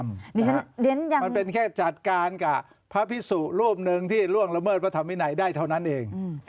มันเป็นแค่จัดการกับพระพิสุรูปหนึ่งที่ล่วงละเมิดพระธรรมวินัยได้เท่านั้นเอง